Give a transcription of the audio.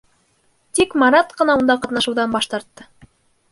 Тик Марат ҡына унда ҡатнашыуҙан баш тартты.